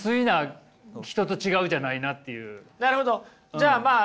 じゃあまあ